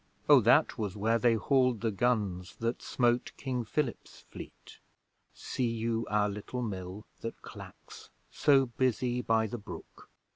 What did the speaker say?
O that was where they hauled the guns That smote King Philip's fleet! See you our little mill that clacks, So busy by the brook?